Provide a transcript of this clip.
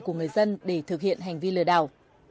của người dân để thực hiện hành vi lừa đảo